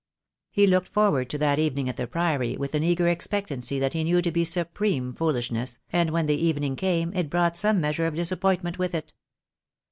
He looked forward to that evening at the Priory with an eager expectancy that he knew to be supreme foolish ness, and when the evening came, it brought some measure of disappointment with it.